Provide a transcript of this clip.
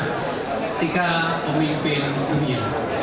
ketika pemimpin dunia